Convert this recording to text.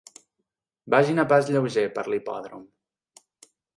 Vagin a pas lleuger per l'hipòdrom.